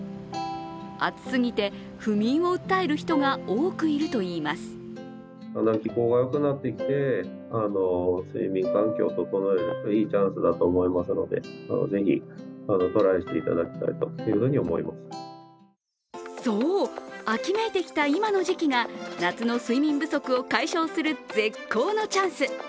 暑すぎて不眠を訴える人が多くいるといいますそう、秋めいてきた今の時期が夏の睡眠不足を解消する絶好のチャンス。